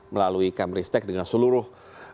melalui kemeristek dengan seluruh